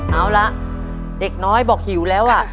เอาละเด็กน้อยบอกหิวแล้วอ่ะ